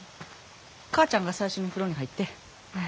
母ちゃんが最初に風呂に入って。